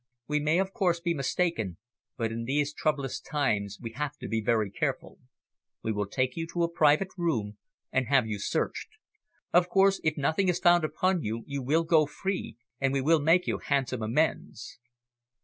We may, of course, be mistaken, but in these troublous times we have to be very careful. We will take you to a private room, and have you searched. Of course, if nothing is found upon you, you will go free, and we will make you handsome amends."